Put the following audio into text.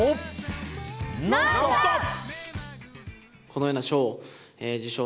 「ノンストップ！」。